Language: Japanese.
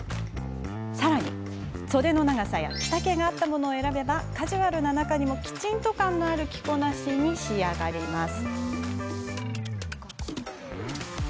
さらに、袖の長さや着丈が合ったものを選べばカジュアルな中にもきちんと感のある着こなしに仕上がります。